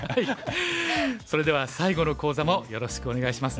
それでは最後の講座もよろしくお願いしますね。